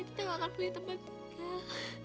kita nggak akan punya tempat tinggal